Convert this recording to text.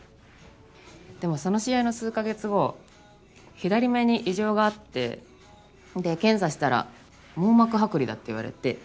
でもその試合の数か月後左目に異常があってで検査したら網膜剥離だって言われて。